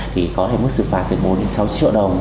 thì có mức sự phạt từ bốn đến sáu triệu đồng